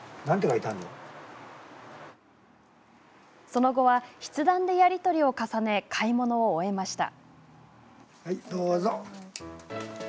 その後は筆談でやり取りを重ね買い物を終えました。